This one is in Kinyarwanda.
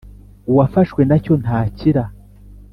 uwafashwe na cyo ntakira